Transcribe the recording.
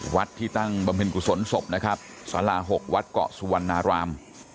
วัดที่ตั้งบำเพ็ญกุศลศพนะครับสารา๖วัดเกาะสุวรรณาราม